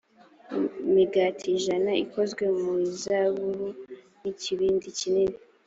imigati ijana ikozwe mu mizabibu n ikibindi kinini